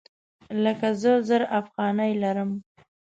لکه زه زر افغانۍ لرم